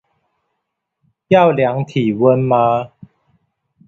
要量體溫嗎